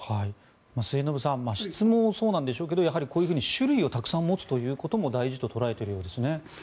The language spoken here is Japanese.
末延さん質もそうでしょうがこういうふうに種類をたくさん持つことも大事と捉えているようですね。